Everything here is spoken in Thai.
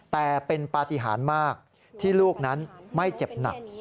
แต่เป็นปฏิหารมากที่ลูกนั้นไม่เจ็บหนัก